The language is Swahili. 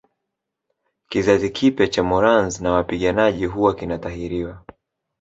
Kizazi kipya cha Morans na wapiganaji huwa kinatahiriwa